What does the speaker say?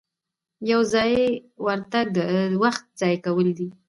یو ځایي ورتګ د وخت ضایع کول دي.